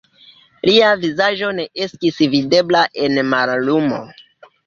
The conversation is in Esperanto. Lia vizaĝo ne estis videbla en mallumo.